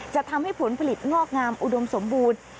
จะทำให้ผลผลิตงอกงามอุดมสมบูรณ์